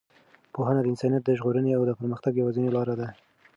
پوهنه د انسانیت د ژغورنې او د پرمختګ یوازینۍ لاره ده.